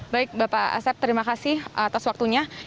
baik bapak asep terima kasih atas waktunya